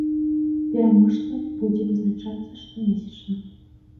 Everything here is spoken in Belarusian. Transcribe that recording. Пераможца будзе вызначацца штомесячна.